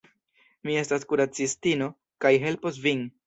Mi estas kuracistino kaj helpos vin.